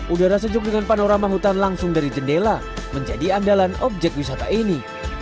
udara sejuk dengan panorama hutan langsung dari jendela menjadi andalan objek wisata ini